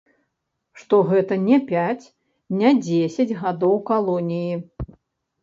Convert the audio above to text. Што гэта не пяць, не дзесяць гадоў калоніі.